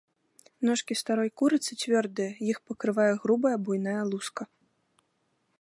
Ножкі старой курыцы цвёрдыя, іх пакрывае грубая буйная луска.